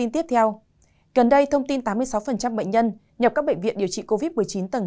tiếp theo gần đây thông tin tám mươi sáu bệnh nhân nhập các bệnh viện điều trị covid một mươi chín tầng hai